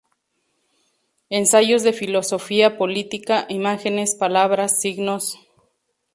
Ensayos de filosofía política", "Imágenes, palabras, signos.